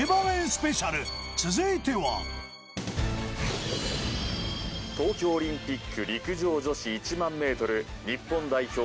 スペシャル続いては東京オリンピック陸上女子１００００ｍ日本代表